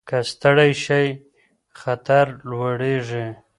که ستړي شئ خطر لوړېږي.